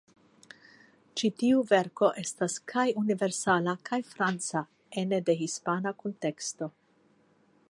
Ĉi tiu verko estas kaj universala kaj franca ene de hispana kunteksto.